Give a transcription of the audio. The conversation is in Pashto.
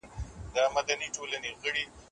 که انټرنېټ باثباته وي، درسونه نه درېږي.